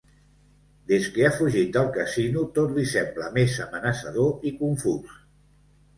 Des que ha fugit del casino tot li sembla més amenaçador i confús.